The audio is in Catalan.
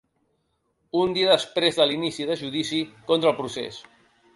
Un dia després de l’inici de judici contra el procés.